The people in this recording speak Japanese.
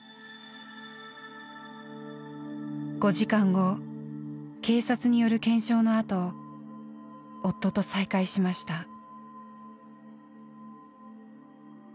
５時間後警察による検証のあと夫と再会しました。